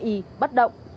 ỉ bắt động